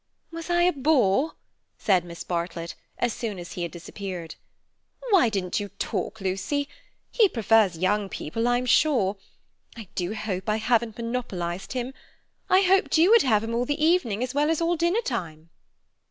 "Was I a bore?" said Miss Bartlett, as soon as he had disappeared. "Why didn't you talk, Lucy? He prefers young people, I'm sure. I do hope I haven't monopolized him. I hoped you would have him all the evening, as well as all dinner time."